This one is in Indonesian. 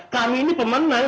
kami ini pemenang